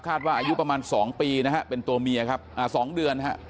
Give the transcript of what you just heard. ว่าอายุประมาณ๒ปีนะฮะเป็นตัวเมียครับอ่าสองเดือนฮะ